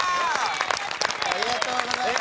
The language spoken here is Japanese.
ありがとうございます。